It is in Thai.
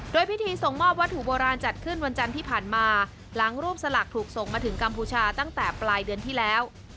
โดยพิธีส่งมอบวัตถุโบราณจัดขึ้นวันจันทร์ที่ผ่านมาหลังรูปสลักถูกส่งมาถึงกัมพูชาตั้งแต่ปลายเดือนที่แล้ว